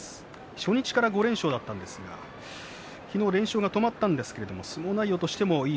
初日から５連勝だったんですが昨日連勝が止まったんですが相撲内容としてもいい